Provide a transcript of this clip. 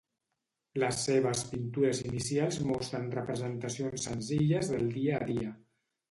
Les seves pintures inicials mostren representacions senzilles del dia a dia.